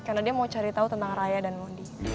karena dia mau cari tau tentang raya dan mondi